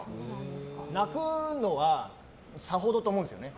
泣くのはさほどって思うんですよね。